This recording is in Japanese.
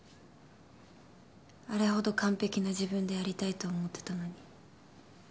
あれほど完璧な自分でありたいと思ってたのに。